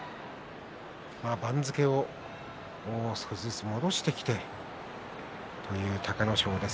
番付を少しずつ戻してという隆の勝です。